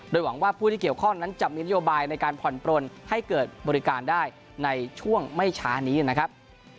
หวังว่าผู้ที่เกี่ยวข้องนั้นจะมีนโยบายในการผ่อนปลนให้เกิดบริการได้ในช่วงไม่ช้านี้นะครับ